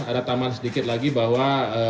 ada tambahan sedikit lagi bahwa